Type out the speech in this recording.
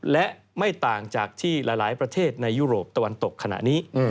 และไม่ต่างจากที่หลายประเทศในยุโรปตะวันตกขณะนี้